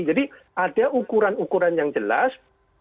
jadi ada ukuran ukuran yang jelas